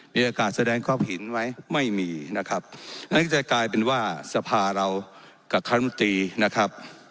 มีโอกาสแสดงความเห็นไหมไม่มีนะครับแล้วก็จะกลายเป็นว่าสภาเรากับคณะมนตรีนะครับ